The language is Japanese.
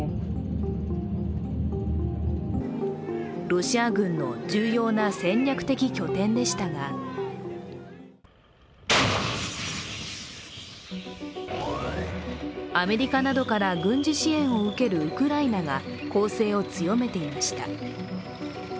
ロシア軍の重要な戦略的拠点でしたがアメリカなどから軍事支援を受けるウクライナが、攻勢を強めていました。